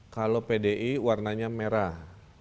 kalau pdi warnanya merah